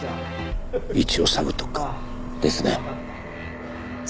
一応探っとくか。ですね。